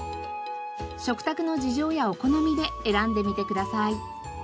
食卓の事情やお好みで選んでみてください。